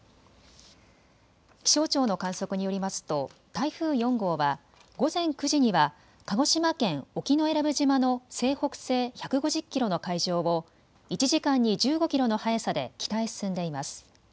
気象庁の観測によりますと台風４号は午前９時には鹿児島県沖永良部島の西北西１５０キロの海上を１時間に１５キロの速さで北へ進んでいます。